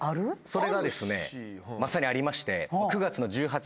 それがですねまさにありまして。